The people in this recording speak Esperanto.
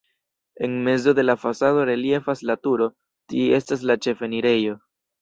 En mezo de la fasado reliefas la turo, tie estas la ĉefenirejo.